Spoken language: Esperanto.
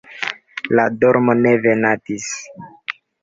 La dormo ne venadis.